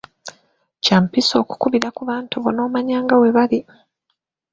Kya mpisa okukubira ku bantu bo n'omanya nga bwe bali.